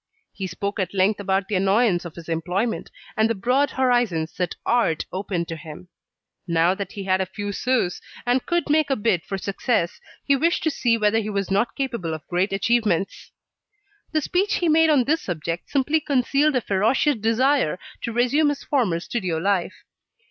He spoke at length about the annoyance of his employment, and the broad horizons that Art opened to him. Now that he had a few sous and could make a bid for success, he wished to see whether he was not capable of great achievements. The speech he made on this subject simply concealed a ferocious desire to resume his former studio life.